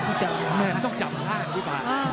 แม่มันต้องจำข้างอ่ะพี่พาอ้า